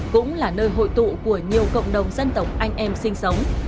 cũng là nơi hội tụ của nhiều cộng đồng dân tộc anh em sinh sống